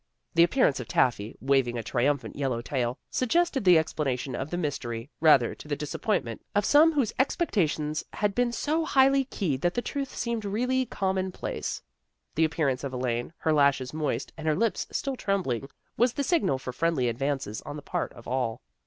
The appearance of Taffy, waving a tri umphant yellow tail, suggested the explana tion of the mystery, rather to the disappoint ment of some whose expectations had been so highly keyed that the truth seemed really commonplace. The appearance of Elaine, her lashes moist, and her lips still trembling, was the signal for friendly advances on the part of all.